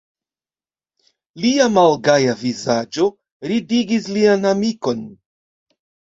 Lia malgaja vizaĝo ridigis lian amikon.